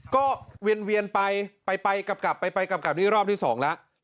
ก็เวียนไปไปกลับไปกลับนี่รอบที่๒แล้ว